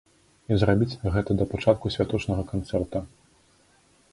І зрабіць гэта да пачатку святочнага канцэрта.